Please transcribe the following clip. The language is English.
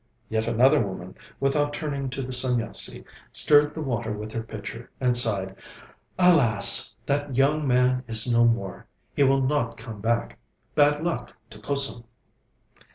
Yet another woman, without turning to the Sanyasi, stirred the water with her pitcher, and sighed: 'Alas! That young man is no more; he will not come back. Bad luck to Kusum!'